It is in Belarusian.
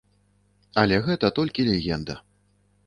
Але гэта толькі легенда.